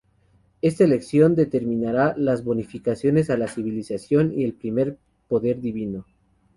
Esta elección determinará las bonificaciones a la civilización y el primer poder divino.